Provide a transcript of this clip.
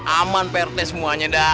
aman pak rt semuanya dah